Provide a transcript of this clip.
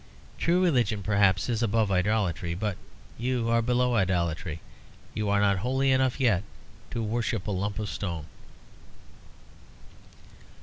True religion, perhaps, is above idolatry. But you are below idolatry. You are not holy enough yet to worship a lump of stone."